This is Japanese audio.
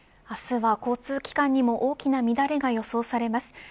明日は交通機関にも大きな乱れが予想されます。